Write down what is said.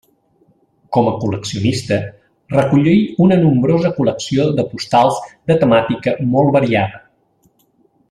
Com a col·leccionista, recollí una nombrosa col·lecció de postals de temàtica molt variada.